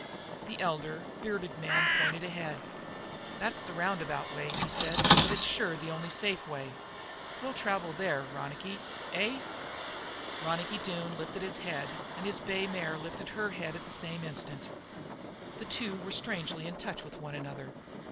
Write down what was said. The elder, bearded man, pointed ahead. "That's the roundabout way," he said, "but it's sure the only safe way. We'll travel there, Ronicky, eh?" Ronicky Doone lifted his head, and his bay mare lifted her head at the same instant. The two were strangely in touch with one another.